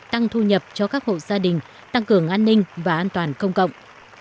tăng thu nhập cho các hộ gia đình tăng cường an ninh và an toàn công cộng